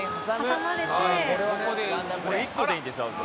１個でいいんですアウト。